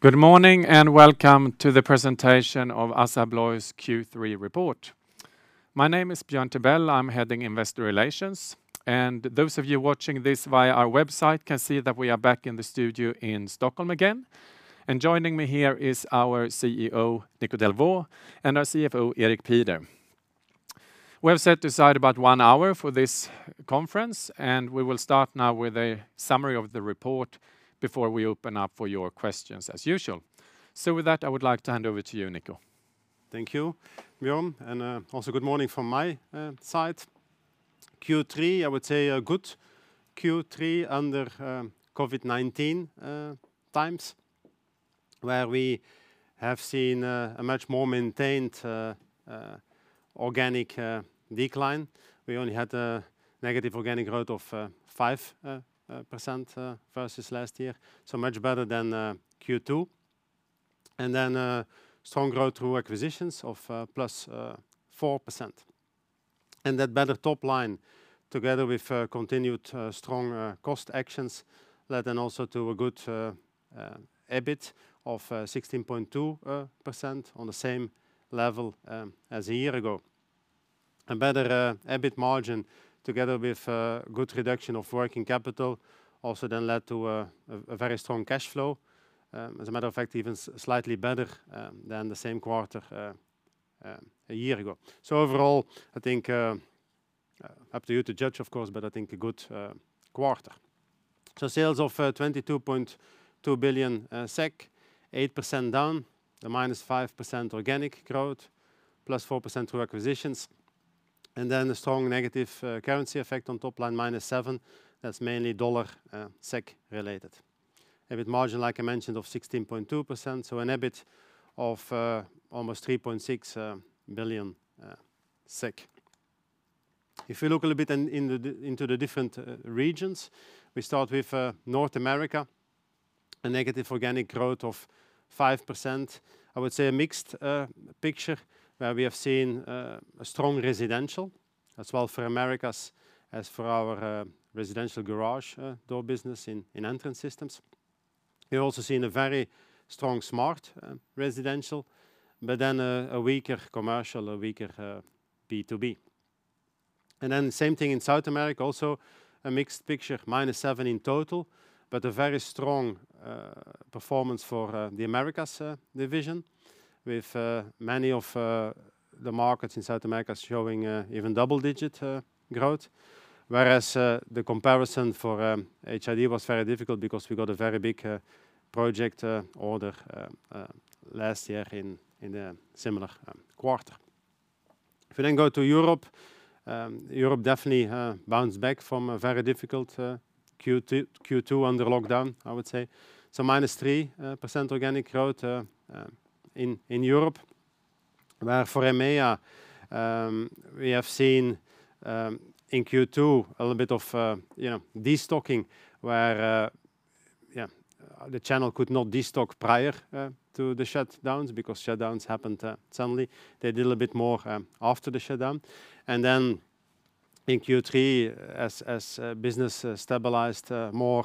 Good morning, and welcome to the presentation of Assa Abloy's Q3 report. My name is Björn Tibell. I'm heading Investor Relations, and those of you watching this via our website can see that we are back in the studio in Stockholm again. Joining me here is our CEO, Nico Delvaux, and our CFO, Erik Pieder. We have set aside about one hour for this conference, and we will start now with a summary of the report before we open up for your questions as usual. With that, I would like to hand over to you, Nico. Thank you, Björn, and also good morning from my side. Q3, I would say a good Q3 under COVID-19 times, where we have seen a much more maintained organic decline. We only had a negative organic growth of 5% versus last year, so much better than Q2. Then strong growth through acquisitions of +4%. That better top line, together with continued strong cost actions, led then also to a good EBIT of 16.2% on the same level as a year ago. A better EBIT margin together with good reduction of working capital also then led to a very strong cash flow. As a matter of fact, even slightly better than the same quarter a year ago. Overall, up to you to judge, of course, but I think a good quarter. Sales of 22.2 billion SEK, 8% down, a -5% organic growth, +4% through acquisitions, and a strong negative currency effect on top line, -7%. That is mainly USD SEK related. EBIT margin, like I mentioned, of 16.2%, so an EBIT of almost 3.6 billion SEK. If you look a little bit into the different regions, we start with North America, a negative organic growth of 5%. I would say a mixed picture where we have seen a strong residential as well for Americas as for our residential garage door business in Entrance Systems. We also seen a very strong smart residential, but then a weaker commercial, a weaker B2B. Same thing in South America, also a mixed picture, -7% in total, but a very strong performance for the Americas division with many of the markets in South America showing even double-digit growth. The comparison for HID was very difficult because we got a very big project order last year in the similar quarter. If we go to Europe definitely bounced back from a very difficult Q2 under lockdown, I would say. -3% organic growth in Europe, where for EMEA, we have seen in Q2 a little bit of de-stocking where the channel could not de-stock prior to the shutdowns because shutdowns happened suddenly. They did a little bit more after the shutdown. In Q3, as business stabilized more,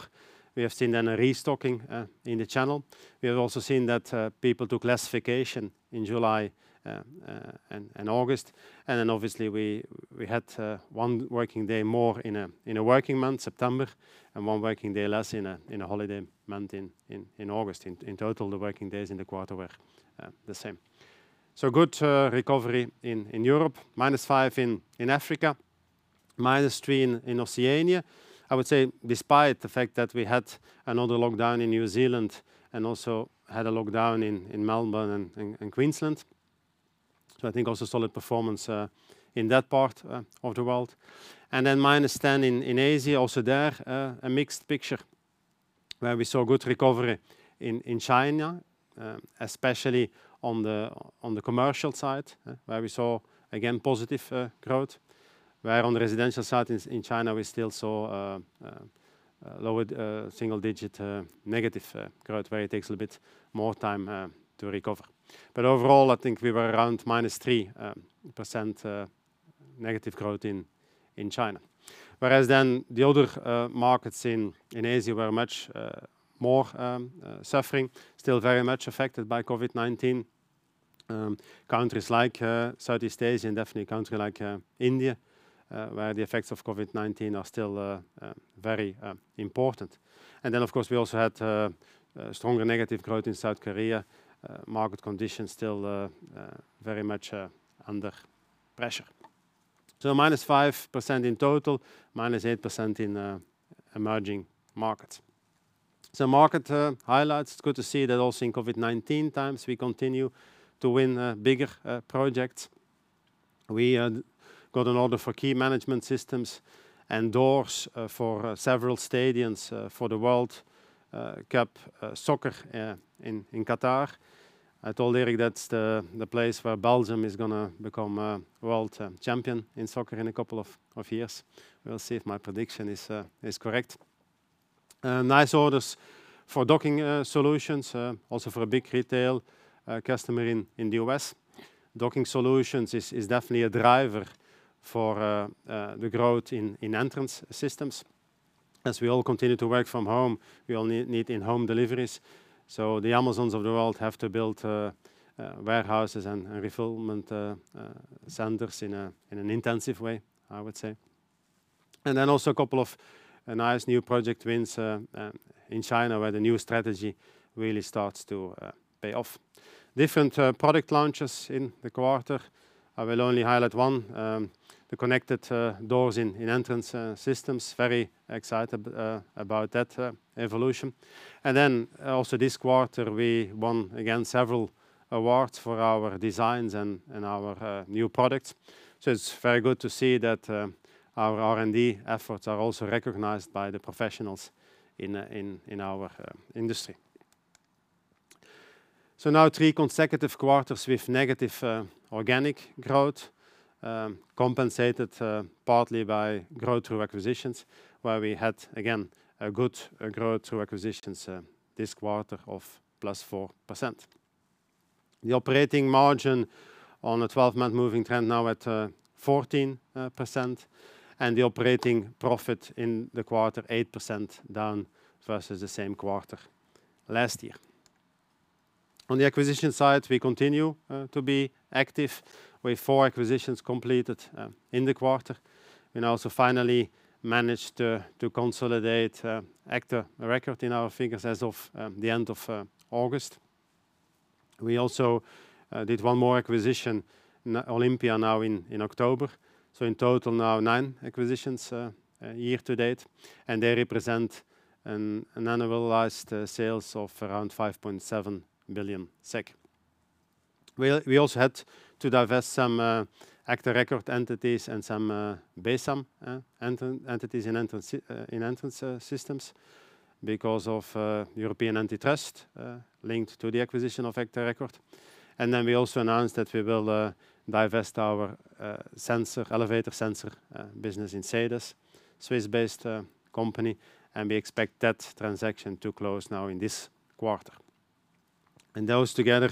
we have seen then a restocking in the channel. We have also seen that people took less vacation in July and August, obviously we had one working day more in a working month, September, and one working day less in a holiday month in August. In total, the working days in the quarter were the same. Good recovery in Europe, -5 in Africa, -3 in Oceania. I would say despite the fact that we had another lockdown in New Zealand and also had a lockdown in Melbourne and Queensland. I think also solid performance in that part of the world. Then -10 in Asia, also there, a mixed picture where we saw good recovery in China, especially on the commercial side, where we saw, again, positive growth, where on the residential side in China, we still saw a lower single-digit negative growth where it takes a little bit more time to recover. Overall, I think we were around -3% negative growth in China. The other markets in Asia were much more suffering, still very much affected by COVID-19. Countries like Southeast Asia and definitely a country like India, where the effects of COVID-19 are still very important. Of course, we also had stronger negative growth in South Korea, market conditions still very much under pressure. -5% in total, -8% in emerging markets. Market highlights, it's good to see that also in COVID-19 times, we continue to win bigger projects. We got an order for key management systems and doors for several stadiums for the World Cup soccer in Qatar. I told Erik that's the place where Belgium is going to become world champion in soccer in a couple of years. We'll see if my prediction is correct. Nice orders for docking solutions, also for a big retail customer in the U.S. Docking solutions is definitely a driver for the growth in Entrance Systems. As we all continue to work from home, we all need in-home deliveries. The Amazon of the world have to build warehouses and fulfillment centers in an intensive way, I would say. Also a couple of nice new project wins in China where the new strategy really starts to pay off. Different product launches in the quarter. I will only highlight one, the connected doors in Entrance Systems. Very excited about that evolution. Also this quarter, we won again several awards for our designs and our new products. It's very good to see that our R&D efforts are also recognized by the professionals in our industry. Now three consecutive quarters with negative organic growth, compensated partly by growth through acquisitions, where we had, again, a good growth through acquisitions this quarter of +4%. The operating margin on a 12-month moving trend now at 14%, the operating profit in the quarter 8% down versus the same quarter last year. On the acquisition side, we continue to be active with four acquisitions completed in the quarter and also finally managed to consolidate agta record in our figures as of the end of August. We also did one more acquisition, Olimpia, now in October. In total now, nine acquisitions year to date, and they represent an annualized sales of around 5.7 billion SEK. We also had to divest some agta record entities and some Besam entities in Entrance Systems because of European antitrust linked to the acquisition of agta record. We also announced that we will divest our elevator sensor business in CEDES, Swiss-based company, and we expect that transaction to close now in this quarter. Those together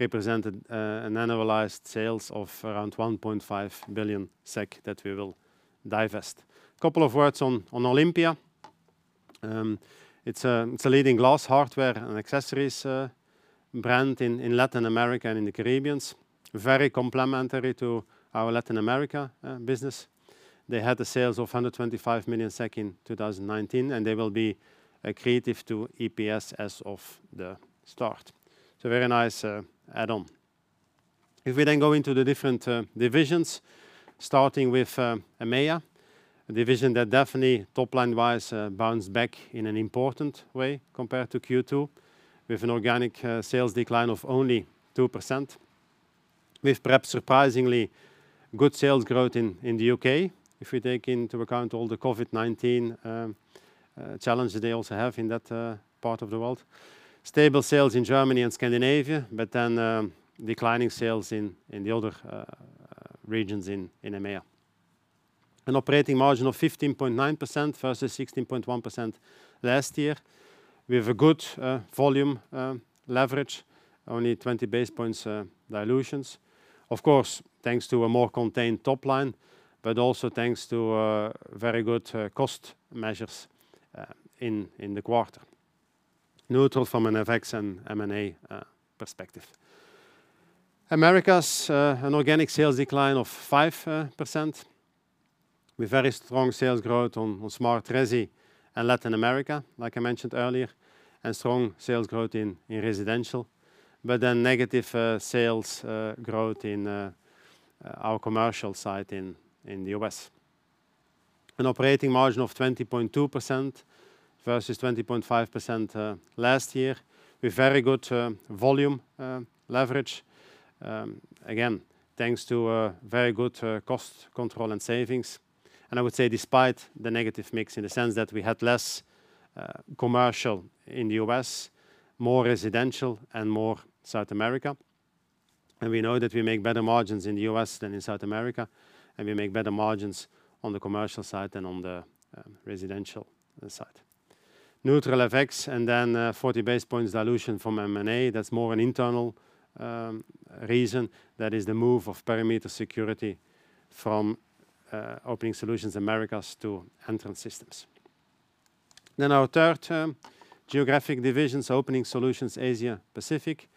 represented an annualized sales of around 1.5 billion SEK that we will divest. Couple of words on Olimpia. It's a leading glass hardware and accessories brand in Latin America and in the Caribbean. Very complementary to our Latin America business. They had the sales of 125 million SEK in 2019, and they will be accretive to EPS as of the start. Very nice add-on. If we then go into the different divisions, starting with EMEA, a division that definitely top-line-wise bounced back in an important way compared to Q2 with an organic sales decline of only 2%, with perhaps surprisingly good sales growth in the U.K., if we take into account all the COVID-19 challenges they also have in that part of the world. Stable sales in Germany and Scandinavia, but then declining sales in the other regions in EMEA. An operating margin of 15.9% versus 16.1% last year. We have a good volume leverage, only 20 basis points dilutions. Of course, thanks to a more contained top line, also thanks to very good cost measures in the quarter. Neutral from an FX and M&A perspective. Americas, an organic sales decline of 5%, with very strong sales growth on smart resi and Latin America, like I mentioned earlier, and strong sales growth in residential, negative sales growth in our commercial side in the U.S. An operating margin of 20.2% versus 20.5% last year, with very good volume leverage. Thanks to very good cost control and savings, and I would say despite the negative mix in the sense that we had less commercial in the U.S., more residential and more South America. We know that we make better margins in the U.S. than in South America, and we make better margins on the commercial side than on the residential side. Neutral FX 40 basis points dilution from M&A. That is more an internal reason. That is the move of perimeter security from Opening Solutions Americas to Entrance Systems. Our third geographic division is Opening Solutions Asia Pacific,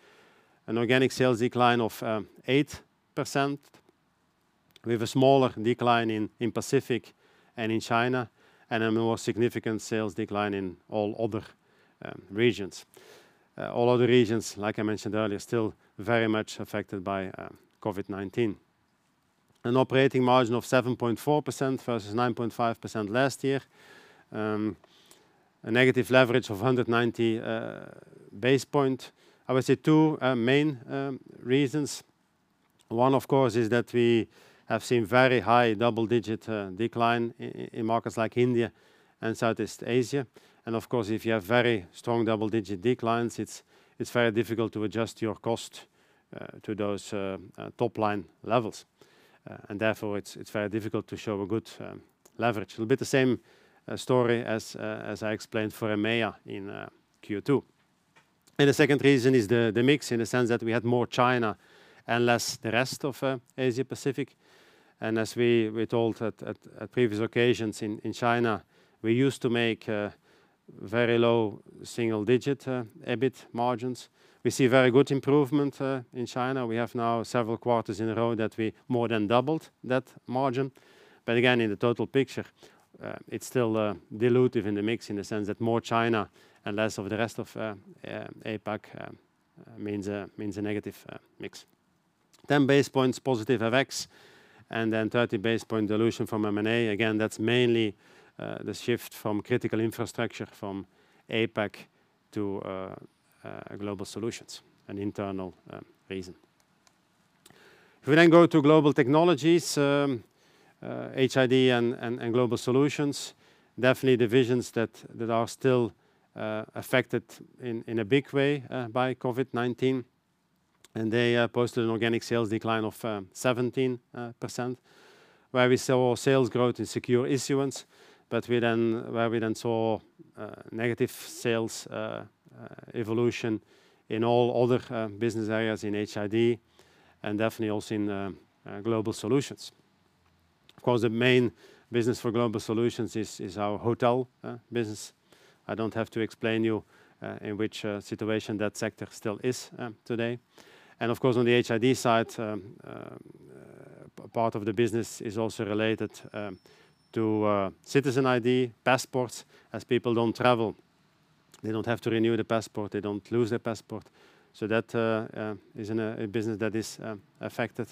an organic sales decline of 8%, with a smaller decline in Pacific and in China, and a more significant sales decline in all other regions. All other regions, like I mentioned earlier, still very much affected by COVID-19. An operating margin of 7.4% versus 9.5% last year. A negative leverage of 190 basis points. I would say two main reasons. One, of course, is that we have seen very high double-digit decline in markets like India and Southeast Asia. Of course, if you have very strong double-digit declines, it's very difficult to adjust your cost to those top-line levels. Therefore, it's very difficult to show a good leverage. A little bit the same story as I explained for EMEA in Q2. The second reason is the mix, in the sense that we had more China and less the rest of Asia Pacific. As we were told at previous occasions in China, we used to make very low single-digit EBIT margins. We see very good improvement in China. We have now several quarters in a row that we more than doubled that margin. Again, in the total picture, it's still dilutive in the mix in the sense that more China and less of the rest of APAC means a negative mix. 10 base points positive FX, and then 30 base point dilution from M&A. That's mainly the shift from critical infrastructure from APAC to Global Solutions, an internal reason. If we go to Global Technologies, HID and Global Solutions, definitely divisions that are still affected in a big way by COVID-19. They posted an organic sales decline of 17%, where we saw sales growth in secure issuance. Where we saw negative sales evolution in all other business areas in HID and definitely also in Global Solutions. Of course, the main business for Global Solutions is our hotel business. I don't have to explain to you in which situation that sector still is today. Of course, on the HID side, part of the business is also related to citizen ID passports. As people don't travel, they don't have to renew their passport, they don't lose their passport. That is a business that is affected.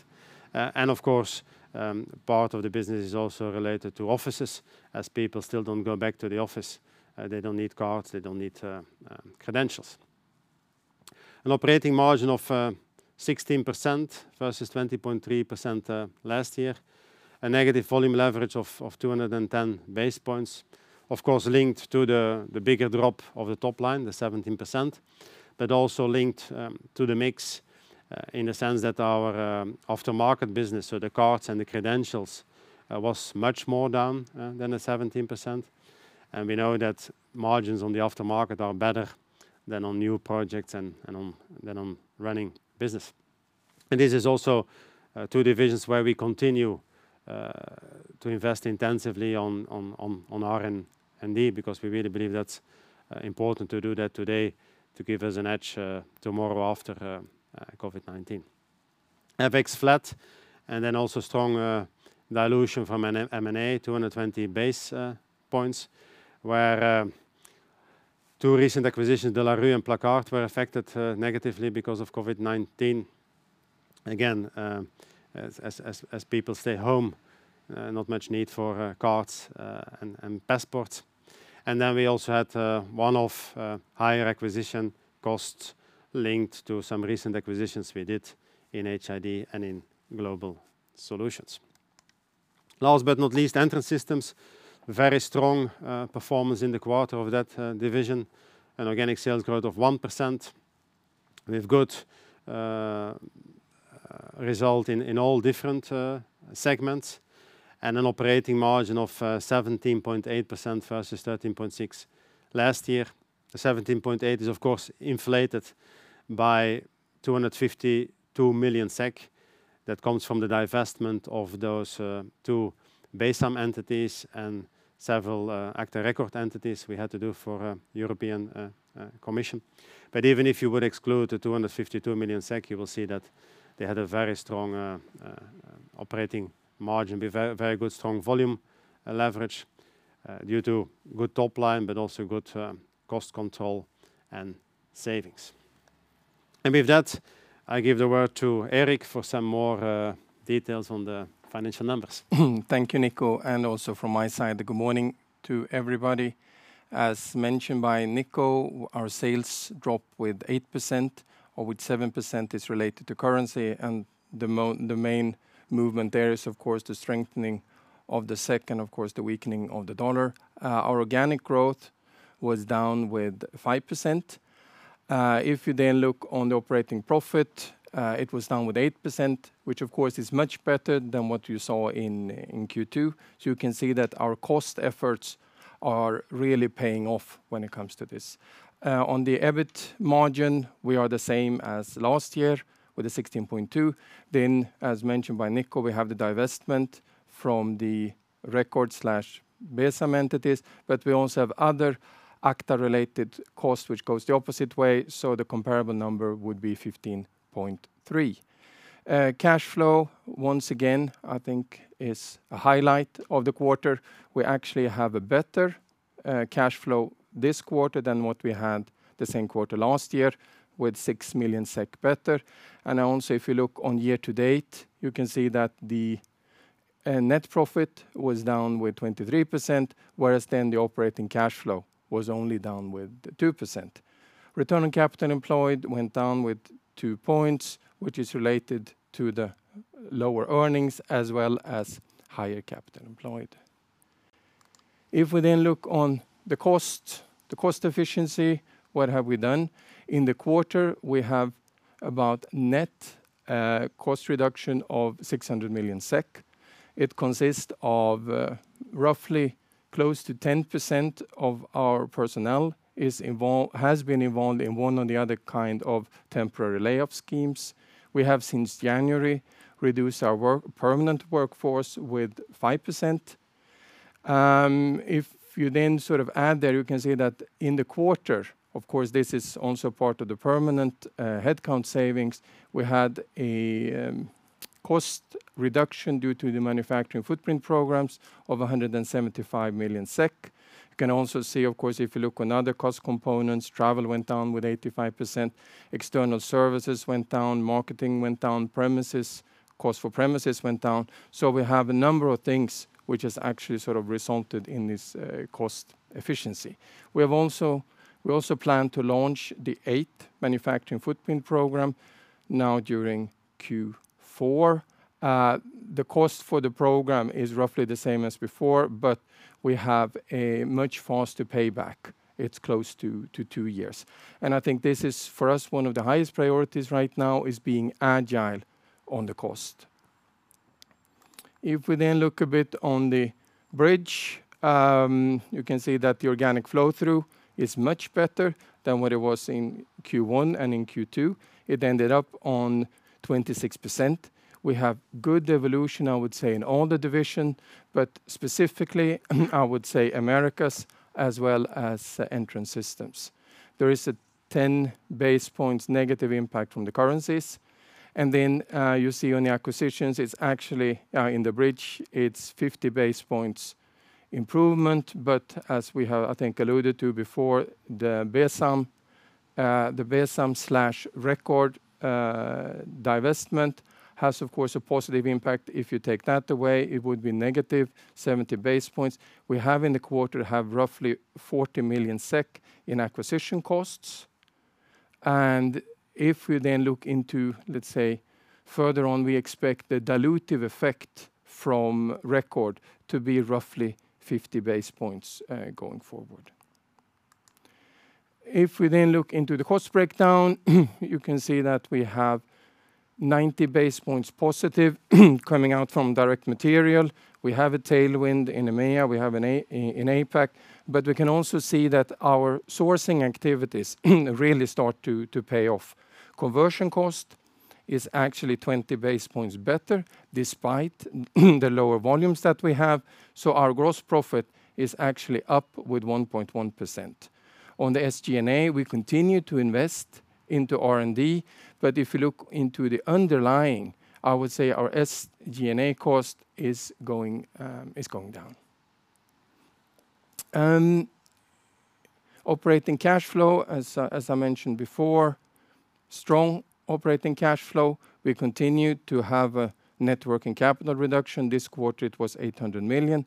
Of course, part of the business is also related to offices, as people still don't go back to the office. They don't need cards. They don't need credentials. An operating margin of 16% versus 20.3% last year. A negative volume leverage of 210 basis points, of course, linked to the bigger drop of the top line, the 17%, but also linked to the mix in the sense that our aftermarket business or the cards and the credentials was much more down than the 17%. We know that margins on the aftermarket are better than on new projects and than on running business. This is also two divisions where we continue to invest intensively on R&D, because we really believe that's important to do that today to give us an edge tomorrow after COVID-19. FX flat and then also strong dilution from M&A, 220 basis points, where two recent acquisitions, De La Rue and Placard, were affected negatively because of COVID-19. Again, as people stay home, not much need for cards and passports. We also had one-off higher acquisition costs linked to some recent acquisitions we did in HID and in Global Solutions. Last but not least, Entrance Systems. Very strong performance in the quarter of that division. An organic sales growth of 1% with good result in all different segments and an operating margin of 17.8% versus 13.6% last year. 17.8% is, of course, inflated by 252 million SEK that comes from the divestment of those two Besam entities and several agta record entities we had to do for European Commission. Even if you would exclude the 252 million SEK, you will see that they had a very strong operating margin with very good, strong volume leverage due to good top line, but also good cost control and savings. With that, I give the word to Erik for some more details on the financial numbers. Also from my side, good morning to everybody. As mentioned by Nico, our sales dropped with 8%, of which 7% is related to currency, and the main movement there is, of course, the strengthening of the SEK and of course, the weakening of the dollar. Our organic growth was down with 5%. If you then look on the operating profit, it was down with 8%, which of course, is much better than what you saw in Q2. You can see that our cost efforts are really paying off when it comes to this. On the EBIT margin, we are the same as last year with a 16.2%. As mentioned by Nico, we have the divestment from the record and Besam entities, but we also have other agta-related cost, which goes the opposite way, so the comparable number would be 15.3%. Cash flow, once again, I think, is a highlight of the quarter. We actually have a better cash flow this quarter than what we had the same quarter last year with 6 million SEK better. If you look on year to date, you can see that the net profit was down with 23%, whereas then the operating cash flow was only down with 2%. Return on capital employed went down with two points, which is related to the lower earnings as well as higher capital employed. If we then look on the cost efficiency, what have we done? In the quarter, we have about net cost reduction of 600 million SEK. It consists of roughly close to 10% of our personnel has been involved in one or the other kind of temporary layoff schemes. We have since January reduced our permanent workforce with 5%. If you then add there, you can see that in the quarter, of course, this is also part of the permanent headcount savings. We had a cost reduction due to the manufacturing footprint programs of 175 million SEK. You can also see, of course, if you look on other cost components, travel went down with 85%, external services went down, marketing went down, cost for premises went down. We have a number of things which has actually resulted in this cost efficiency. We also plan to launch the eighth manufacturing footprint program now during Q4. The cost for the program is roughly the same as before, but we have a much faster payback. It's close to two years. I think this is, for us, one of the highest priorities right now is being agile on the cost. We then look a bit on the bridge, you can see that the organic flow-through is much better than what it was in Q1 and in Q2. It ended up on 26%. We have good evolution, I would say, in all the division, but specifically, I would say Americas as well as the Entrance Systems. There is a 10 basis points negative impact from the currencies. You see on the acquisitions, it's actually in the bridge, it's 50 basis points improvement. As we have, I think, alluded to before, the Besam/Record divestment has, of course, a positive impact. If you take that away, it would be -70 basis points. We have in the quarter roughly 40 million SEK in acquisition costs. If we look into further on, we expect the dilutive effect from Record to be roughly 50 basis points going forward. We look into the cost breakdown, you can see that we have 90 basis points positive coming out from direct material. We have a tailwind in EMEA, we have in APAC, we can also see that our sourcing activities really start to pay off. Conversion cost is actually 20 basis points better despite the lower volumes that we have. Our gross profit is actually up with 1.1%. On the SG&A, we continue to invest into R&D, if you look into the underlying, I would say our SG&A cost is going down. Operating cash flow, as I mentioned before, strong operating cash flow. We continue to have a net working capital reduction. This quarter it was 800 million,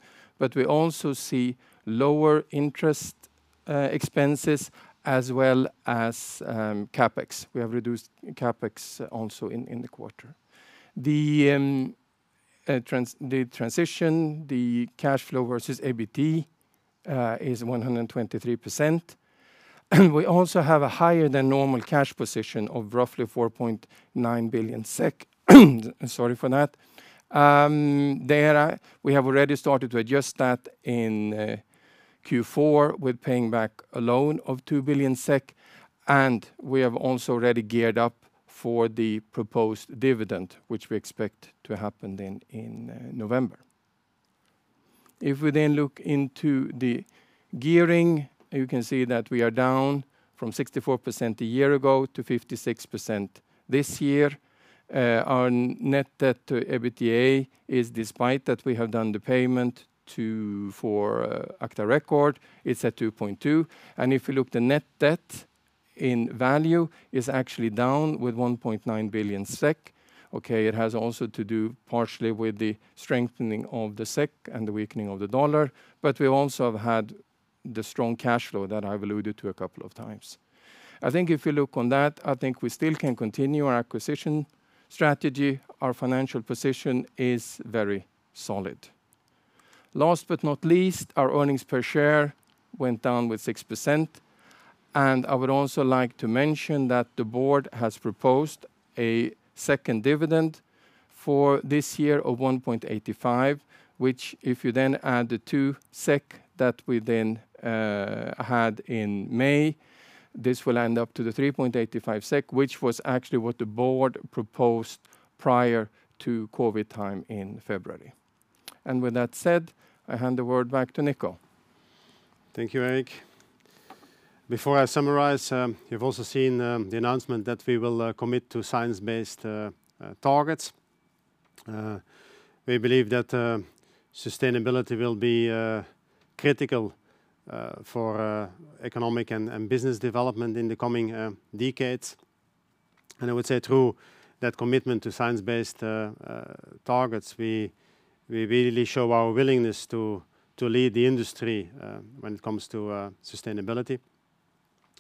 we also see lower interest expenses as well as CapEx. We have reduced CapEx also in the quarter. The transition, the cash flow versus EBT is 123%. We also have a higher than normal cash position of roughly 4.9 billion SEK. Sorry for that. There, we have already started to adjust that in Q4 with paying back a loan of 2 billion SEK, and we have also already geared up for the proposed dividend, which we expect to happen then in November. If we then look into the gearing, you can see that we are down from 64% a year ago to 56% this year. Our net debt to EBITDA is despite that we have done the payment for agta record, it's at 2.2. If you look, the net debt in value is actually down with 1.9 billion SEK. It has also to do partially with the strengthening of the SEK and the weakening of the U.S. dollar, but we also have had the strong cash flow that I've alluded to a couple of times. I think if you look on that, I think we still can continue our acquisition strategy. Our financial position is very solid. Last but not least, our earnings per share went down with 6%, and I would also like to mention that the board has proposed a second dividend for this year of 1.85, which if you then add the 2 SEK that we then had in May, this will end up to the 3.85 SEK, which was actually what the board proposed prior to COVID-19 time in February. With that said, I hand the word back to Nico. Thank you, Erik. Before I summarize, you have also seen the announcement that we will commit to science-based targets. I would say through that commitment to science-based targets, we really show our willingness to lead the industry when it comes to sustainability.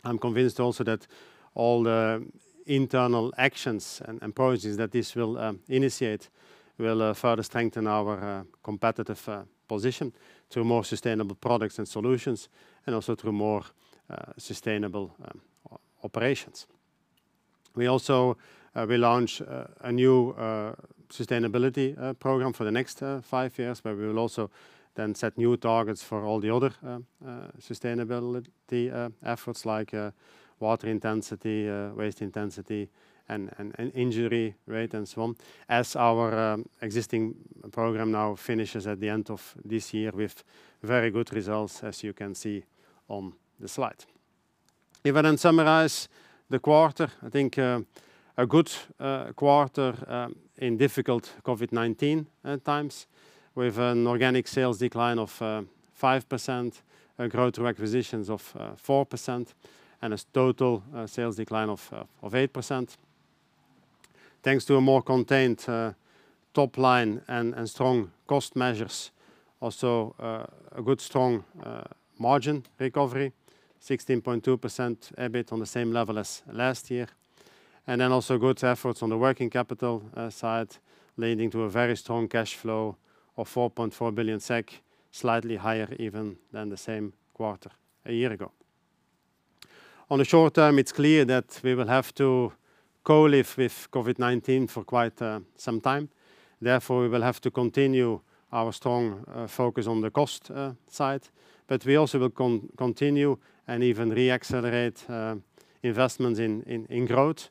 I am convinced also that all the internal actions and policies that this will initiate will further strengthen our competitive position through more sustainable products and solutions, and also through more sustainable operations. We also will launch a new sustainability program for the next five years, where we will also then set new targets for all the other sustainability efforts, like water intensity, waste intensity, and injury rate and so on, as our existing program now finishes at the end of this year with very good results, as you can see on the slide. If I then summarize the quarter, I think a good quarter in difficult COVID-19 times, with an organic sales decline of 5%, a growth through acquisitions of 4%, and a total sales decline of 8%. Thanks to a more contained top line and strong cost measures, also a good, strong margin recovery, 16.2% EBIT on the same level as last year. Also good efforts on the working capital side, leading to a very strong cash flow of 4.4 billion SEK, slightly higher even than the same quarter a year ago. On the short term, it's clear that we will have to co-live with COVID-19 for quite some time. Therefore, we will have to continue our strong focus on the cost side. We also will continue and even re-accelerate investments in growth.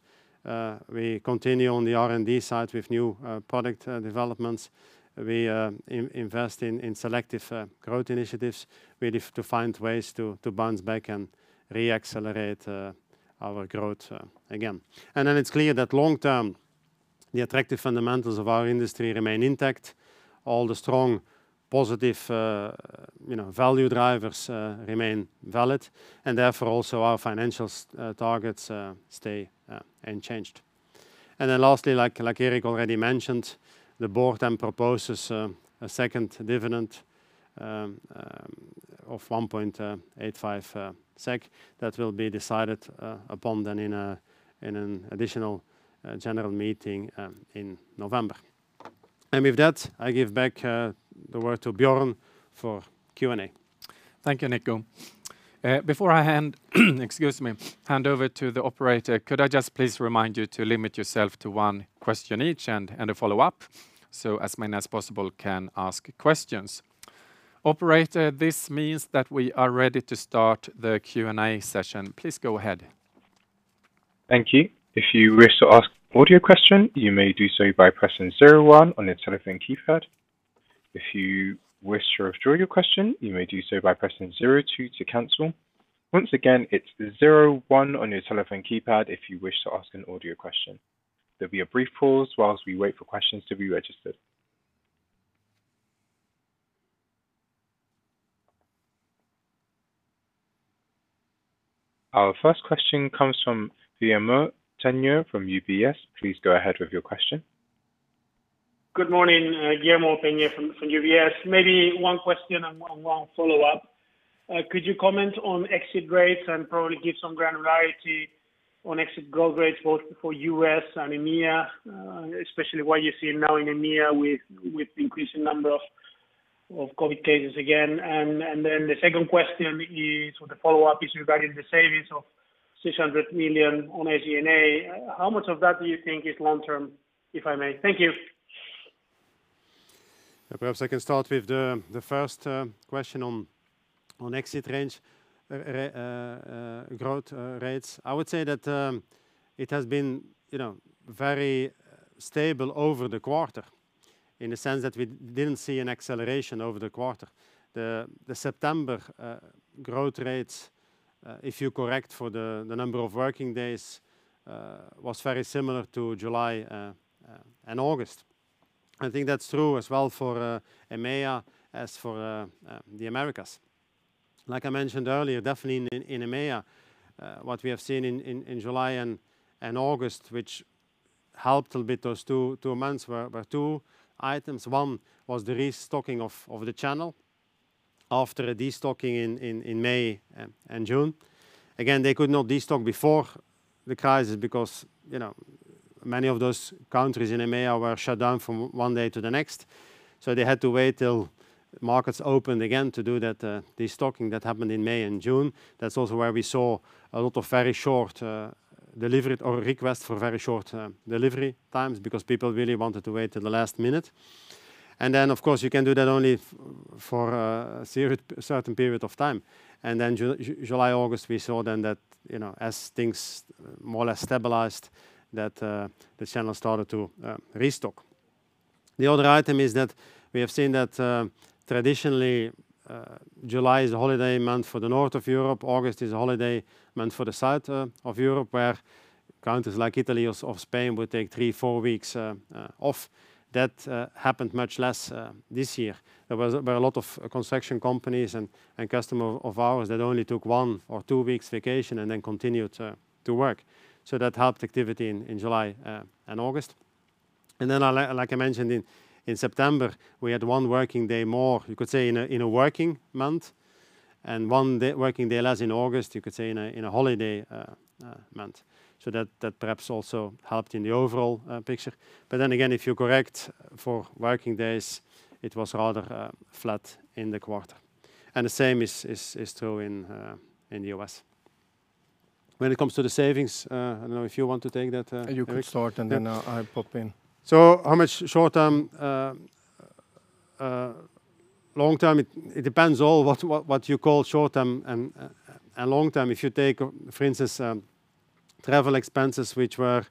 We continue on the R&D side with new product developments. We invest in selective growth initiatives. We need to find ways to bounce back and re-accelerate our growth again. It's clear that long term, the attractive fundamentals of our industry remain intact. All the strong positive value drivers remain valid, and therefore also our financial targets stay unchanged. Lastly, like Erik already mentioned, the board then proposes a second dividend of 1.85 SEK that will be decided upon then in an additional general meeting in November. I give back the word to Björn for Q&A. Thank you, Nico. Before I hand over to the operator, could I just please remind you to limit yourself to one question each and a follow-up, so as many as possible can ask questions. Operator, this means that we are ready to start the Q&A session. Please go ahead. Thank you. If you wish to ask an audio question, you may do so by pressing zero one on your telephone keypad. If you wish to refer your question, you may do so by pressing zero two to cancel, Once again, it's zero one on your telephone keypad if you wish to ask an audio question. There'll be a brief pause whilst we wait for questions to be registered. Our first question comes from Guillermo Peigneux from UBS. Please go ahead with your question. Good morning, Guillermo Peigneux from UBS. Maybe one question and one follow-up. Could you comment on exit rates and probably give some granularity on exit growth rates, both for U.S. and EMEA, especially what you're seeing now in EMEA with increasing number of COVID-19 cases again? The second question, or the follow-up, is regarding the savings of 600 million on SG&A. How much of that do you think is long term, if I may? Thank you. Perhaps I can start with the first question on exit range growth rates. I would say that it has been very stable over the quarter, in the sense that we didn't see an acceleration over the quarter. The September growth rates, if you correct for the number of working days, was very similar to July and August. I think that's true as well for EMEA as for the Americas. Like I mentioned earlier, definitely in EMEA, what we have seen in July and August, which helped a bit those two months, were two items. One was the restocking of the channel after a destocking in May and June. Again, they could not destock before the crisis because many of those countries in EMEA were shut down from one day to the next. They had to wait till markets opened again to do that destocking that happened in May and June. That is also where we saw a lot of requests for very short delivery times, because people really wanted to wait till the last minute. And then, of course, you can do that only for a certain period of time. Then July, August, we saw then that as things more or less stabilized, that the channel started to restock. The other item is that we have seen that traditionally, July is a holiday month for the north of Europe, August is a holiday month for the south of Europe, where countries like Italy or Spain would take three, four weeks off. That happened much less this year. There were a lot of construction companies and customer of ours that only took one or two weeks vacation and then continued to work. That helped activity in July and August. Then, like I mentioned, in September, we had one working day more, you could say, in a working month, and one working day less in August, you could say, in a holiday month. That perhaps also helped in the overall picture. Again, if you correct for working days, it was rather flat in the quarter. The same is true in the U.S. When it comes to the savings, I don't know if you want to take that, Erik? You could start, and then I pop in. How much short term, long term, it depends all what you call short term and long term. If you take, for instance, travel expenses, which were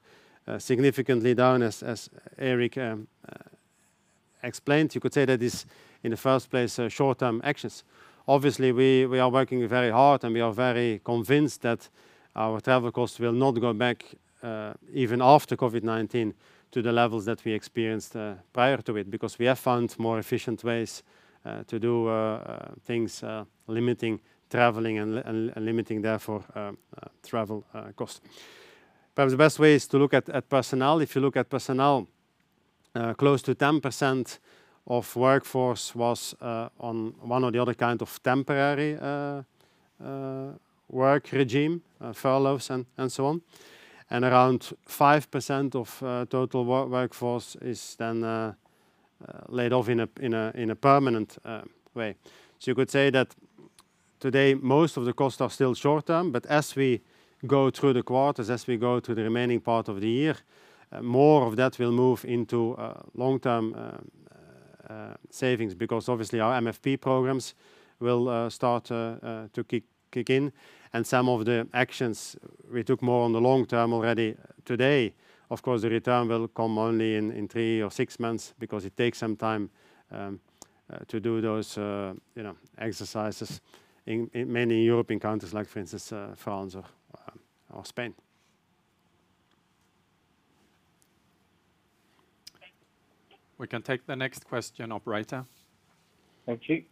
significantly down as Erik explained, you could say that is in the first place short term actions. We are working very hard, and we are very convinced that our travel costs will not go back, even after COVID-19, to the levels that we experienced prior to it, because we have found more efficient ways to do things, limiting traveling and limiting, therefore, travel cost. Perhaps the best way is to look at personnel. If you look at personnel, close to 10% of workforce was on one or the other kind of temporary work regime, furloughs and so on. Around 5% of total workforce is then laid off in a permanent way. You could say that today, most of the costs are still short term. As we go through the quarters, as we go through the remaining part of the year, more of that will move into long-term savings because obviously our MFP programs will start to kick in, and some of the actions we took more on the long term already today. Of course, the return will come only in three or six months because it takes some time to do those exercises in many European countries, like for instance, France or Spain. We can take the next question, operator. Thank you.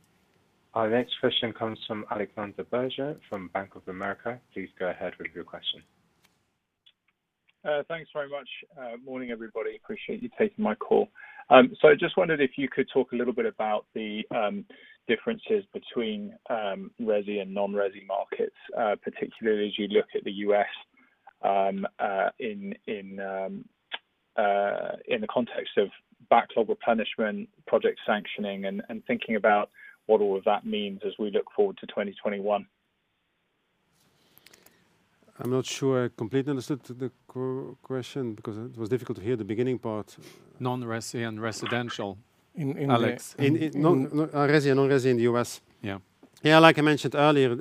Our next question comes from Alexander Virgo from Bank of America. Please go ahead with your question. Thanks very much. Morning, everybody. Appreciate you taking my call. I just wondered if you could talk a little bit about the differences between resi and non-resi markets, particularly as you look at the U.S. in the context of backlog replenishment, project sanctioning, and thinking about what all of that means as we look forward to 2021. I'm not sure I completely understood the question because it was difficult to hear the beginning part. Non-resi and residential. Alex. Resi and non-resi in the U.S. Yeah. Yeah, like I mentioned earlier,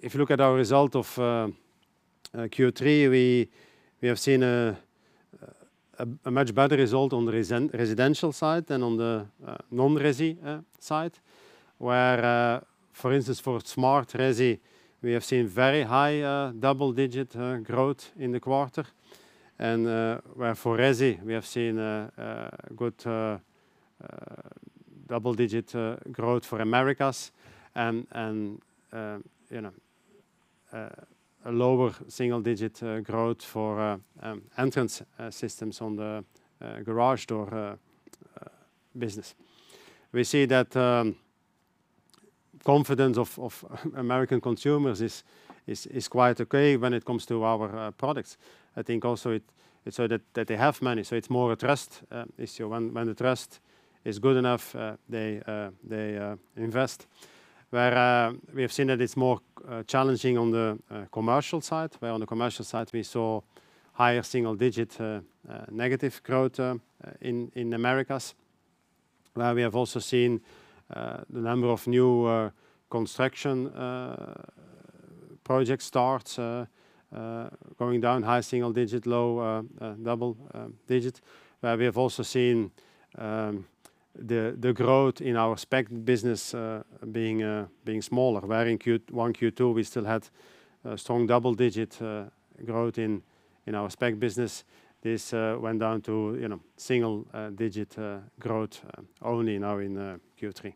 if you look at our result of Q3, we have seen a much better result on the residential side than on the non-resi side, where, for instance, for smart resi, we have seen very high double-digit growth in the quarter. Where for resi, we have seen a good double-digit growth for Americas and a lower single-digit growth for Entrance Systems on the garage door business. We see that confidence of American consumers is quite okay when it comes to our products. I think also it's that they have money, so it's more a trust issue. When the trust is good enough, they invest. Where we have seen that it's more challenging on the commercial side, where on the commercial side, we saw higher single-digit negative growth in Americas, where we have also seen the number of new construction projects starts going down high single-digit, low double-digit, where we have also seen the growth in our spec business being smaller. Where in Q1, Q2, we still had strong double-digit growth in our spec business. This went down to single-digit growth only now in Q3.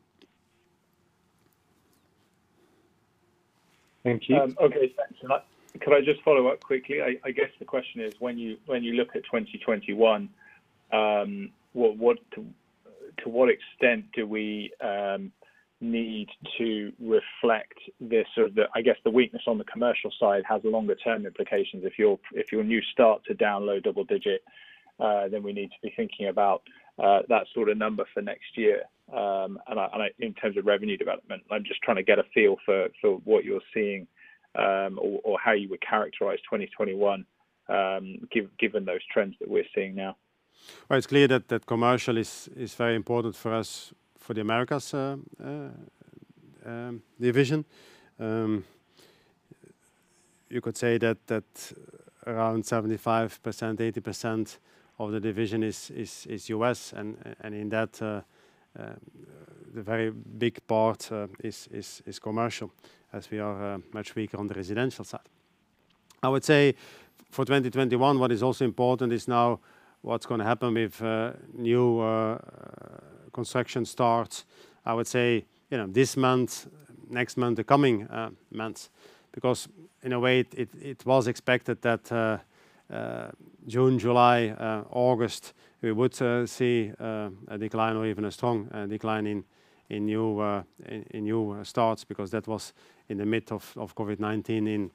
Thank you. Okay, thanks. Can I just follow up quickly? I guess the question is when you look at 2021, to what extent do we need to reflect this? I guess the weakness on the commercial side has longer term implications. If your new start to down low double-digit, we need to be thinking about that sort of number for next year in terms of revenue development. I'm just trying to get a feel for what you're seeing or how you would characterize 2021 given those trends that we're seeing now. It's clear that commercial is very important for us, for the Americas division. You could say that around 75%-80% of the division is U.S., and in that, the very big part is commercial, as we are much weaker on the residential side. I would say for 2021, what is also important is now what's going to happen with new construction starts, I would say this month, next month, the coming months. In a way, it was expected that June, July, August, we would see a decline or even a strong decline in new starts because that was in the mid of COVID-19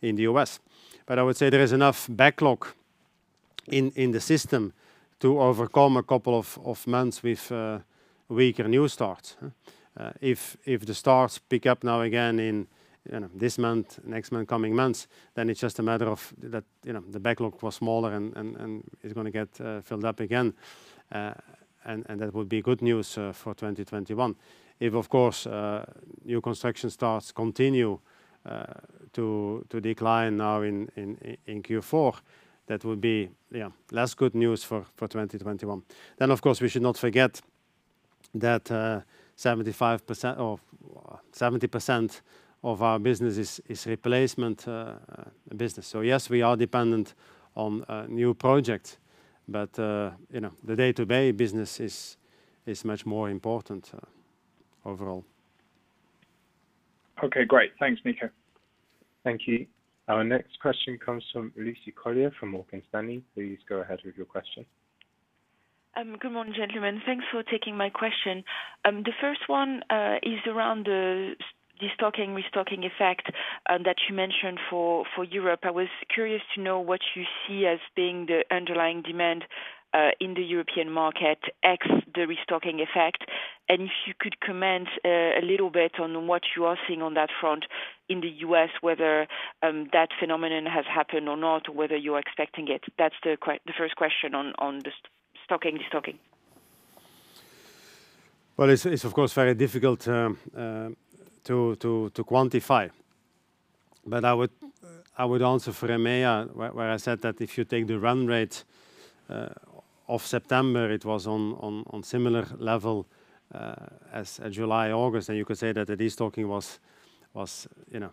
in the U.S. I would say there is enough backlog in the system to overcome a couple of months with weaker new starts. If the starts pick up now again in this month, next month, coming months, then it's just a matter of the backlog was smaller and is going to get filled up again. That will be good news for 2021. If, of course, new construction starts continue to decline now in Q4, that will be less good news for 2021. Of course, we should not forget that 70% of our business is replacement business. Yes, we are dependent on new projects, but the day-to-day business is much more important overall. Okay, great. Thanks, Nico. Thank you. Our next question comes from Lucie Carrier from Morgan Stanley. Please go ahead with your question. Good morning, gentlemen. Thanks for taking my question. The first one is around the destocking, restocking effect that you mentioned for Europe. I was curious to know what you see as being the underlying demand in the European market, X, the restocking effect, and if you could comment a little bit on what you are seeing on that front in the U.S., whether that phenomenon has happened or not, whether you're expecting it. That's the first question on the stocking, destocking. It's of course very difficult to quantify, but I would answer for EMEA, where I said that if you take the run rate of September, it was on similar level as July, August, and you could say that the destocking was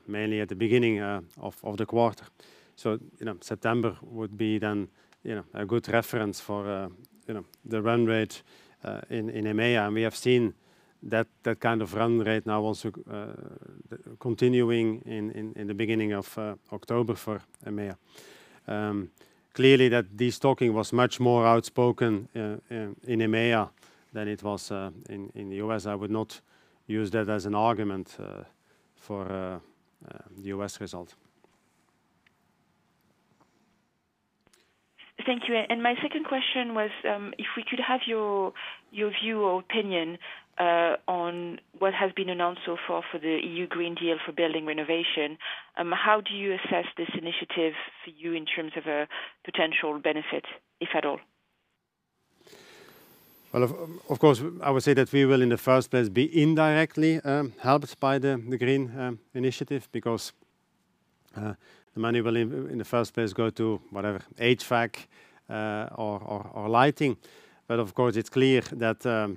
mainly at the beginning of the quarter. September would be then a good reference for the run rate in EMEA. We have seen that kind of run rate now also continuing in the beginning of October for EMEA. Clearly, that destocking was much more outspoken in EMEA than it was in the U.S. I would not use that as an argument for the U.S. result. Thank you. My second question was if we could have your view or opinion on what has been announced so far for the EU Green Deal for building renovation. How do you assess this initiative for you in terms of a potential benefit, if at all? Of course, I would say that we will, in the first place, be indirectly helped by the green initiative because the money will, in the first place, go to whatever HVAC or lighting. Of course, it's clear that the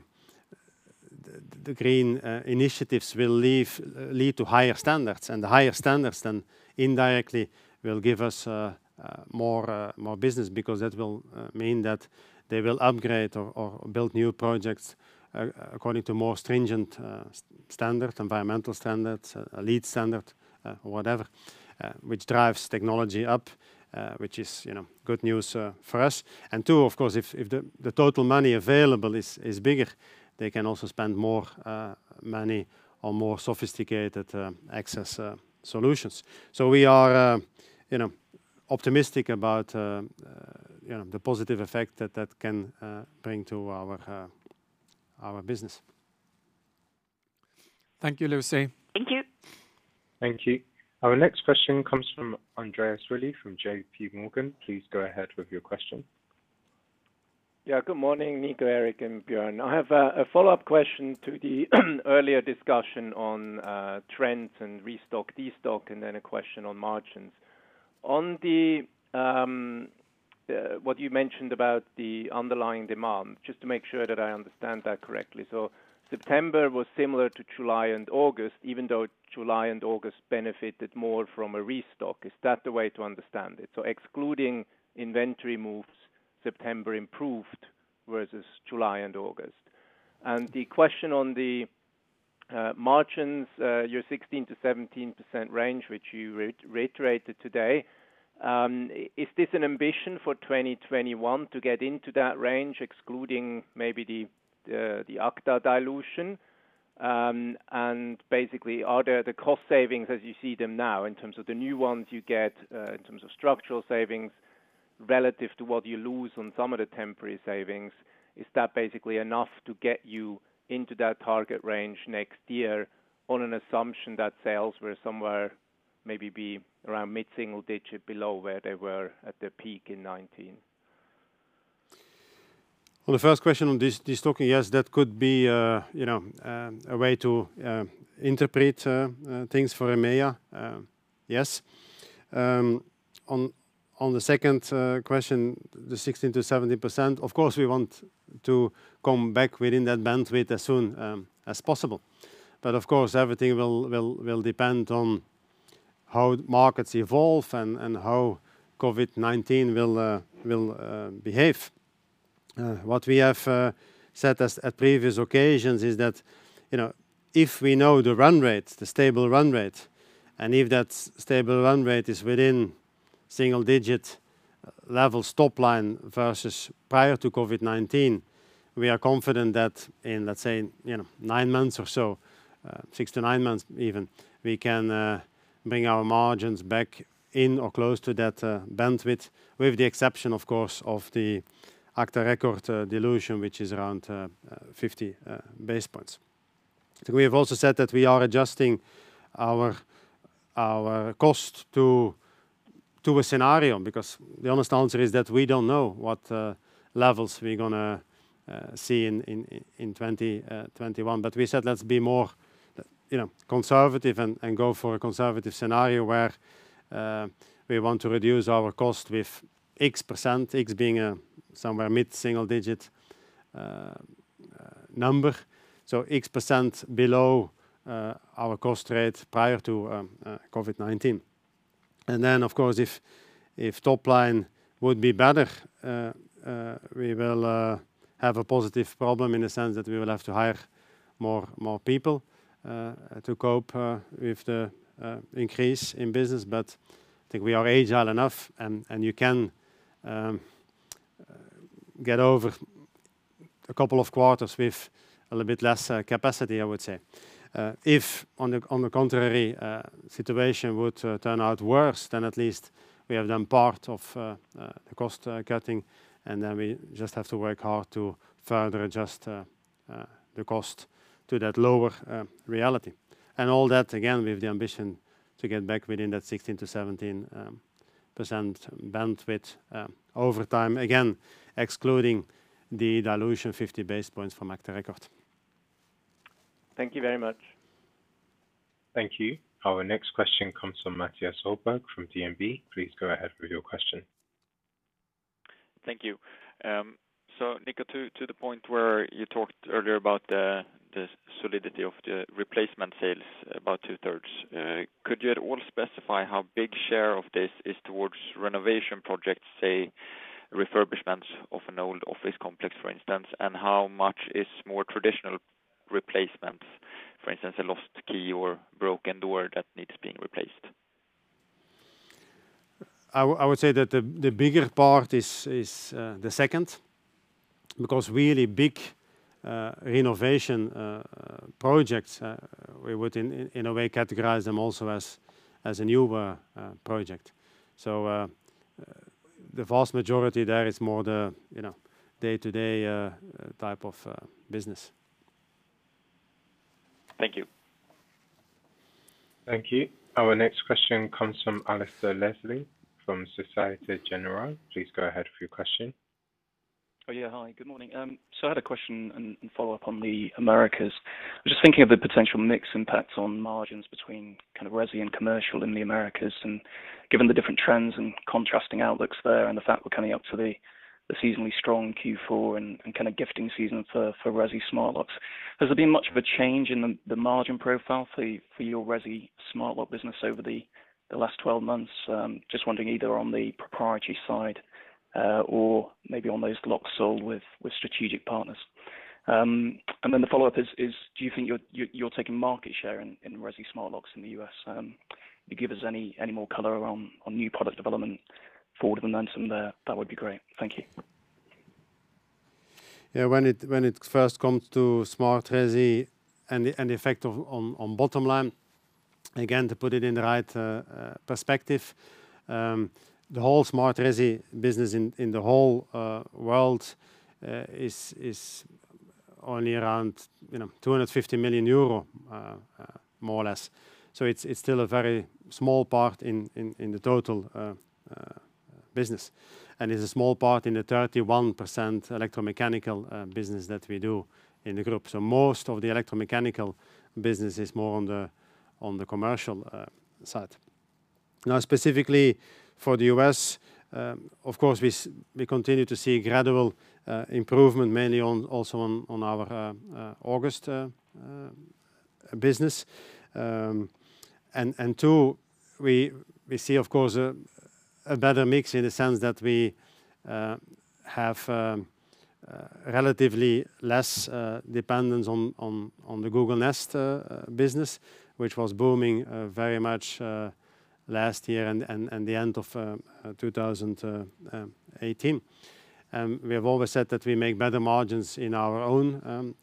green initiatives will lead to higher standards, and the higher standards then indirectly will give us more business because that will mean that they will upgrade or build new projects according to more stringent standard, Environmental standards, LEED standard, whatever, which drives technology up, which is good news for us. Two, of course, if the total money available is bigger, they can also spend more money on more sophisticated access solutions. We are optimistic about the positive effect that that can bring to our business. Thank you, Lucie. Thank you. Thank you. Our next question comes from Lush Mahendrarajah from JPMorgan. Please go ahead with your question. Good morning, Nico, Erik, and Björn. I have a follow-up question to the earlier discussion on trends and restock, destock, and then a question on margins. On what you mentioned about the underlying demand, just to make sure that I understand that correctly. September was similar to July and August, even though July and August benefited more from a restock. Is that the way to understand it? Excluding inventory moves, September improved versus July and August. The question on the margins, your 16%-17% range, which you reiterated today, is this an ambition for 2021 to get into that range, excluding maybe the agta dilution? Basically, are there the cost savings as you see them now in terms of the new ones you get, in terms of structural savings relative to what you lose on some of the temporary savings? Is that basically enough to get you into that target range next year on an assumption that sales were somewhere, maybe around mid-single digit below where they were at their peak in 2019? On the first question on destocking, yes, that could be a way to interpret things for EMEA. Yes. On the second question, the 16%-17%, of course, we want to come back within that bandwidth as soon as possible. Of course, everything will depend on how markets evolve and how COVID-19 will behave. What we have said at previous occasions is that if we know the run rate, the stable run rate, and if that stable run rate is within single digit top line versus prior to COVID-19. We are confident that in, let's say, nine months or so, six to nine months even, we can bring our margins back in or close to that bandwidth, with the exception, of course, of the agta record dilution, which is around 50 basis points. We have also said that we are adjusting our cost to a scenario, because the honest answer is that we don't know what levels we're going to see in 2021. We said let's be more conservative and go for a conservative scenario where we want to reduce our cost with X%, X being somewhere mid-single digit number. X% below our cost rate prior to COVID-19. Of course, if top line would be better, we will have a positive problem in the sense that we will have to hire more people to cope with the increase in business. I think we are agile enough and you can get over a couple of quarters with a little bit less capacity, I would say. If, on the contrary, situation would turn out worse, at least we have done part of the cost cutting. We just have to work hard to further adjust the cost to that lower reality. All that again, with the ambition to get back within that 16%-17% bandwidth over time, again, excluding the dilution 50 basis points from agta record. Thank you very much. Thank you. Our next question comes from Mattias Holmberg from DNB. Please go ahead with your question. Thank you. Nico, to the point where you talked earlier about the solidity of the replacement sales, about two thirds. Could you at all specify how big share of this is towards renovation projects, say refurbishments of an old office complex, for instance, and how much is more traditional replacements, for instance, a lost key or broken door that needs being replaced? I would say that the bigger part is the second, because really big renovation projects, we would in a way categorize them also as a new project. The vast majority there is more the day-to-day type of business. Thank you. Thank you. Our next question comes from Alasdair Leslie from Société Générale. Please go ahead with your question. Hi, good morning. I had a question and follow-up on the Americas. I am just thinking of the potential mix impacts on margins between resi and commercial in the Americas, given the different trends and contrasting outlooks there, and the fact we are coming up to the seasonally strong Q4 and gifting season for resi smart locks. Has there been much of a change in the margin profile for your resi smart lock business over the last 12 months? Just wondering either on the proprietary side or maybe on those locks sold with strategic partners. The follow-up is, do you think you are taking market share in resi smart locks in the U.S.? Can you give us any more color around on new product development forward announcement there? That would be great. Thank you. When it first comes to smart resi and the effect on bottom line, again, to put it in the right perspective, the whole smart resi business in the whole world is only around 250 million euro, more or less. It's still a very small part in the total business, and it's a small part in the 31% electromechanical business that we do in the group. Most of the electromechanical business is more on the commercial side. Now, specifically for the U.S., of course, we continue to see gradual improvement, mainly also on our August business. And two, we see, of course, a better mix in the sense that we have relatively less dependence on the Google Nest business, which was booming very much last year and the end of 2018. We have always said that we make better margins in our own,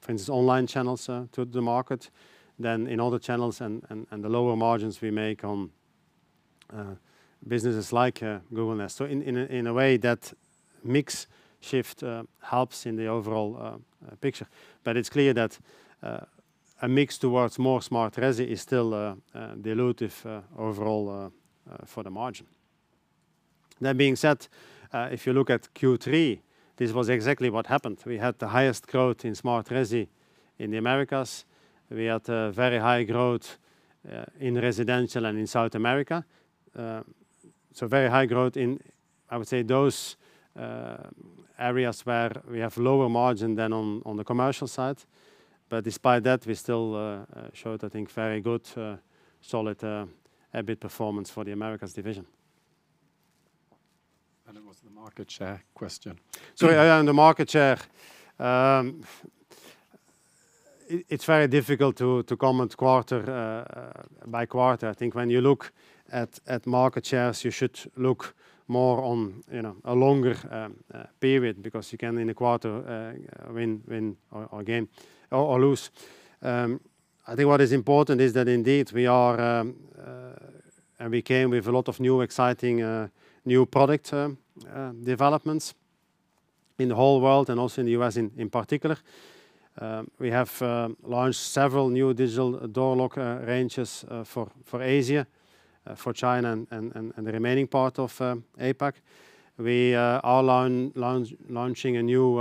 for instance, online channels to the market than in other channels, and the lower margins we make on businesses like Google Nest. In a way, that mix shift helps in the overall picture. It's clear that a mix towards more smart resi is still dilutive overall for the margin. That being said, if you look at Q3, this was exactly what happened. We had the highest growth in smart resi in the Americas. We had a very high growth in residential and in South America. Very high growth in, I would say, those areas where we have lower margin than on the commercial side. Despite that, we still showed, I think, very good solid EBIT performance for the Americas division. It was the market share question. Sorry. Yeah, the market share, it's very difficult to comment quarter-by-quarter. I think when you look at market shares, you should look more on a longer period, because you can in a quarter win or lose. I think what is important is that indeed, we came with a lot of new, exciting product developments in the whole world and also in the U.S. in particular. We have launched several new digital door lock ranges for Asia, for China, and the remaining part of APAC. We are launching a new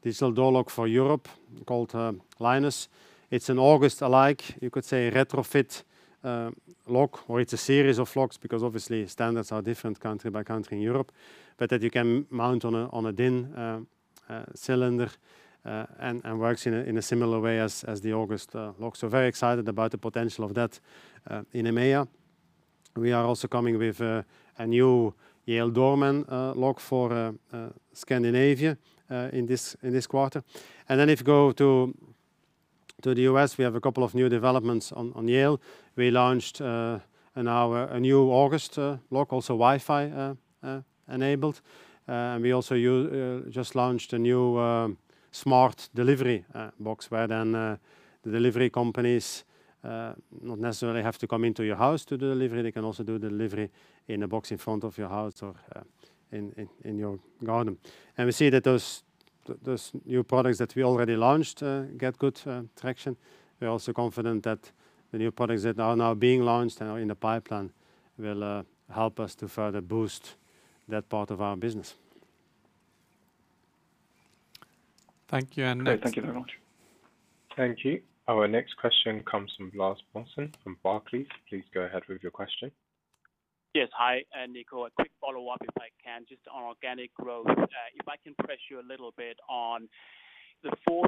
digital door lock for Europe called Linus. It's an August alike, you could say, retrofit lock, or it's a series of locks because obviously standards are different country by country in Europe. That you can mount on a DIN cylinder, and works in a similar way as the August lock. Very excited about the potential of that in EMEA. We are also coming with a new Yale Doorman lock for Scandinavia in this quarter. If you go to the U.S., we have a couple of new developments on Yale. We launched a new August lock, also Wi-Fi enabled. We also just launched a new smart delivery box where then the delivery companies not necessarily have to come into your house to do delivery. They can also do delivery in a box in front of your house or in your garden. We see that those new products that we already launched get good traction. We're also confident that the new products that are now being launched, are in the pipeline, will help us to further boost that part of our business. Thank you, and next. Great. Thank you very much. Thank you. Our next question comes from Lars Brorson from Barclays. Please go ahead with your question. Yes. Hi, Nico. A quick follow-up, if I can, just on organic growth. If I can press you a little bit on the Q4,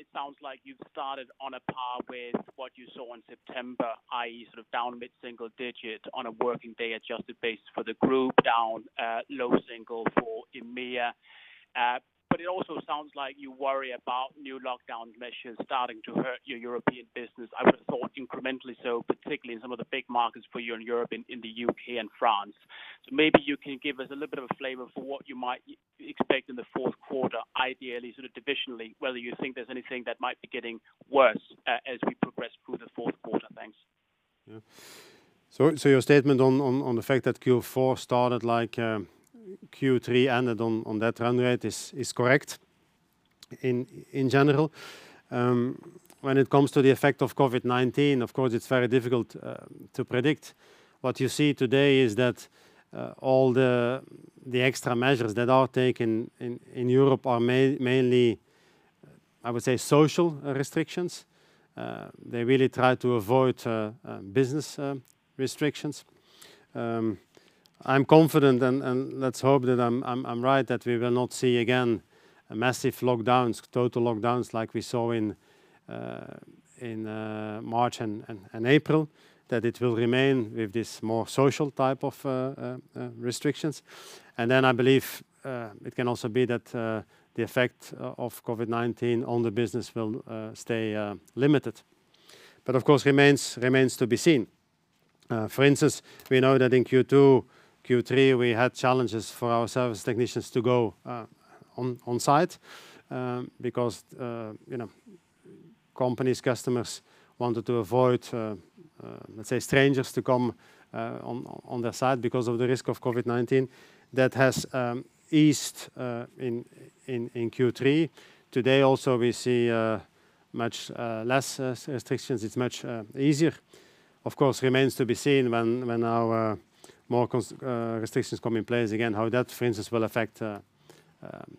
it sounds like you've started on a par with what you saw in September, i.e., sort of down mid-single digits on a working day adjusted basis for the group, down low single for EMEA. It also sounds like you worry about new lockdown measures starting to hurt your European business, I would have thought incrementally so, particularly in some of the big markets for you in Europe, in the U.K., and France. Maybe you can give us a little bit of a flavor for what you might expect in the Q4, ideally sort of divisionally, whether you think there's anything that might be getting worse as we progress through the Q4. Thanks. Yeah. Your statement on the fact that Q4 started like Q3 ended on that run rate is correct in general. When it comes to the effect of COVID-19, of course, it's very difficult to predict. What you see today is that all the extra measures that are taken in Europe are mainly, I would say, social restrictions. They really try to avoid business restrictions. I'm confident, and let's hope that I'm right, that we will not see again massive lockdowns, total lockdowns like we saw in March and April, that it will remain with this more social type of restrictions. Then I believe it can also be that the effect of COVID-19 on the business will stay limited. Of course, remains to be seen. For instance, we know that in Q2, Q3, we had challenges for our service technicians to go on site because companies, customers wanted to avoid, let's say, strangers to come on their site because of the risk of COVID-19. That has eased in Q3. Today, also, we see much less restrictions. It's much easier. Of course, remains to be seen when our more restrictions come in place again, how that, for instance, will affect the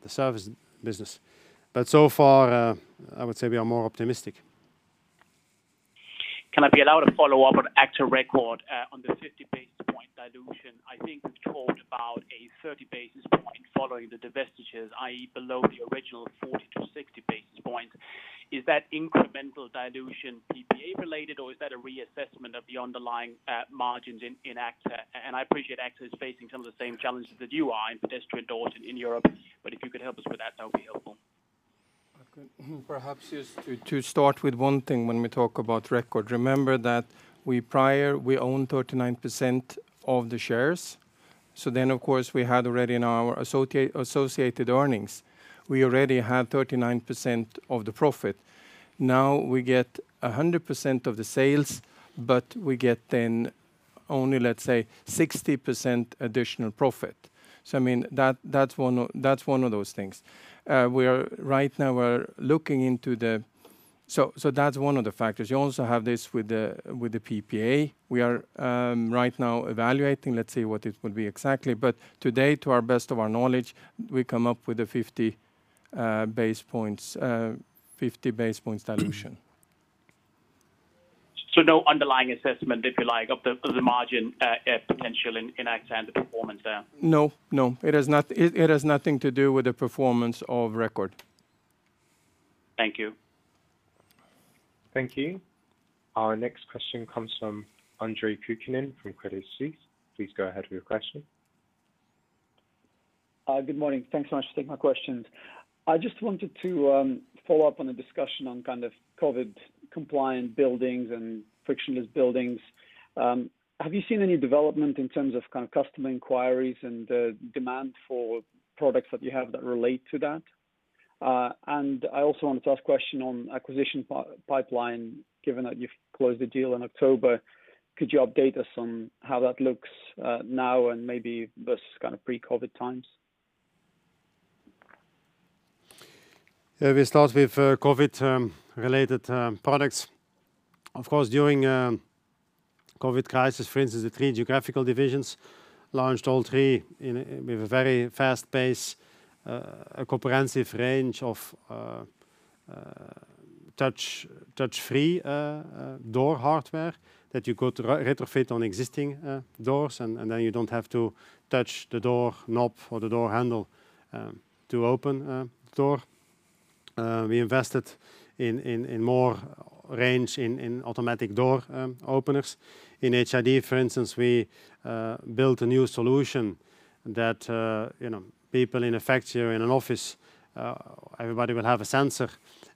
service business. So far, I would say we are more optimistic. Can I be allowed a follow-up on agta record on the 50 basis points dilution? I think we've talked about a 30 basis points following the divestitures, i.e., below the original 40-60 basis points. Is that incremental dilution PPA related, or is that a reassessment of the underlying margins in agta record? I appreciate agta record is facing some of the same challenges that you are in pedestrian doors in Europe, but if you could help us with that would be helpful. Perhaps just to start with one thing when we talk about record, remember that prior, we own 39% of the shares. Of course, we had already in our associated earnings, we already had 39% of the profit. Now we get 100% of the sales, we get then only, let's say, 60% additional profit. I mean, that's one of those things. That's one of the factors. You also have this with the PPA. We are right now evaluating, let's see what it will be exactly, today, to our best of our knowledge, we come up with a 50 basis points dilution. No underlying assessment, if you like, of the margin potential in agta and the performance there? No. It has nothing to do with the performance of Record. Thank you. Thank you. Our next question comes from Andre Kukhnin from Credit Suisse. Please go ahead with your question. Good morning. Thanks so much for taking my questions. I just wanted to follow up on a discussion on COVID-compliant buildings and frictionless buildings. Have you seen any development in terms of customer inquiries and demand for products that you have that relate to that? I also wanted to ask a question on acquisition pipeline, given that you've closed the deal in October. Could you update us on how that looks now and maybe versus pre-COVID times? We start with COVID-19-related products. Of course, during COVID-19 crisis, for instance, the three geographical divisions launched all three with a very fast pace, a comprehensive range of touch-free door hardware that you could retrofit on existing doors, and then you don't have to touch the door knob or the door handle to open the door. We invested in more range in automatic door openers. In HID, for instance, we built a new solution that people in a factory or in an office, everybody will have a sensor,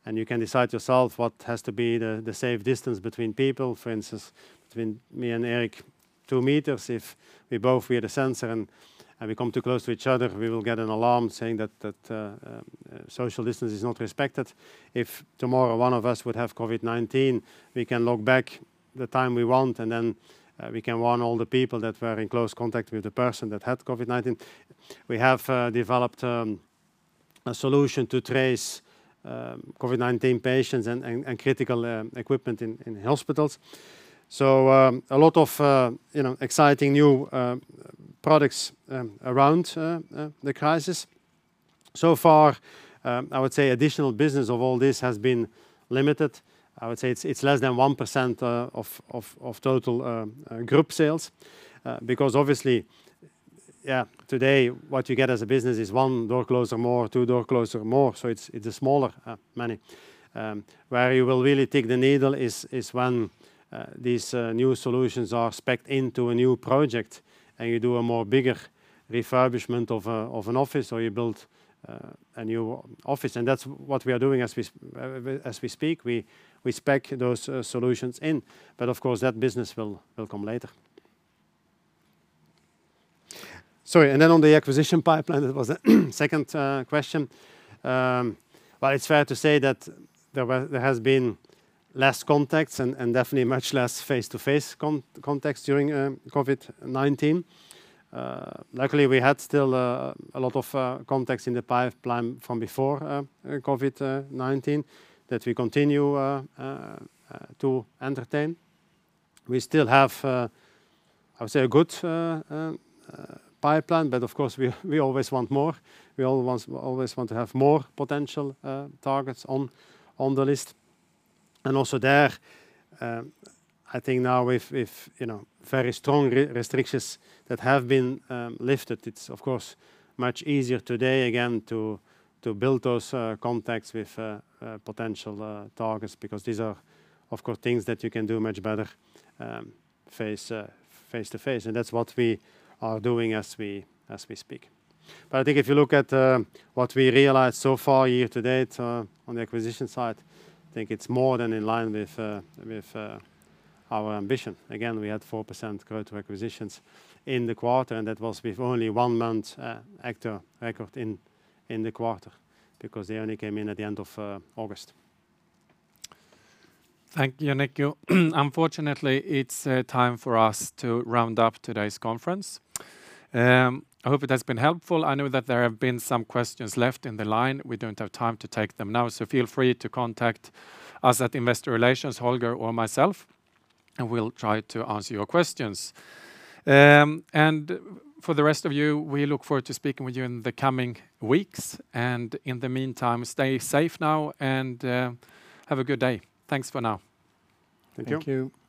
and you can decide yourself what has to be the safe distance between people. For instance, between me and Erik, two meters. If we both had a sensor and we come too close to each other, we will get an alarm saying that social distance is not respected. If tomorrow one of us would have COVID-19, we can look back the time we want, and then we can warn all the people that were in close contact with the person that had COVID-19. We have developed a solution to trace COVID-19 patients and critical equipment in hospitals. A lot of exciting new products around the crisis. Far, I would say additional business of all this has been limited. I would say it's less than 1% of total group sales because obviously, today, what you get as a business is one door closer or more, or two door closers or more, so it's a smaller money. Where you will really tick the needle is when these new solutions are specced into a new project and you do a more bigger refurbishment of an office, or you build a new office. That's what we are doing as we speak. We spec those solutions in. Of course, that business will come later. Sorry, on the acquisition pipeline, that was the second question. Well, it's fair to say that there has been less contacts and definitely much less face-to-face contacts during COVID-19. Luckily, we had still a lot of contacts in the pipeline from before COVID-19 that we continue to entertain. We still have, I would say, a good pipeline, of course, we always want more. We always want to have more potential targets on the list. Also there, I think now with very strong restrictions that have been lifted, it's of course much easier today again to build those contacts with potential targets because these are, of course, things that you can do much better face-to-face. That's what we are doing as we speak. I think if you look at what we realized so far year-to-date on the acquisition side, I think it's more than in line with our ambition. Again, we had 4% growth acquisitions in the quarter, and that was with only one month agta record in the quarter because they only came in at the end of August. Thank you, Nico. Unfortunately, it's time for us to round up today's conference. I hope it has been helpful. I know that there have been some questions left in the line. We don't have time to take them now, so feel free to contact us at Investor Relations, Holger or myself, and we'll try to answer your questions. For the rest of you, we look forward to speaking with you in the coming weeks. In the meantime, stay safe now and have a good day. Thanks for now. Thank you. Thank you.